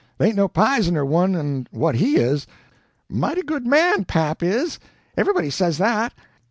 They ain't no pizener ones 'n what HE is. Mighty good man, pap is. Everybody says that.